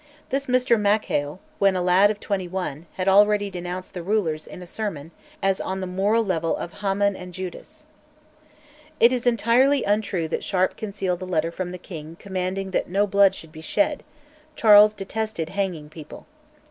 This Mr Mackail, when a lad of twenty one (1662), had already denounced the rulers, in a sermon, as on the moral level of Haman and Judas. It is entirely untrue that Sharp concealed a letter from the king commanding that no blood should be shed (Charles detested hanging people).